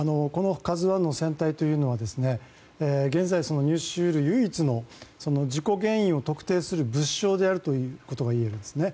この「ＫＡＺＵ１」の船体というのは現在、入手し得る事故原因を特定する物証であるということがいえますね。